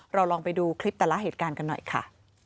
ลองไปดูคลิปแต่ละเหตุการณ์กันหน่อยค่ะ